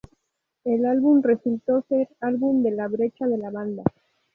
El álbum resultó ser álbum de la brecha de la banda.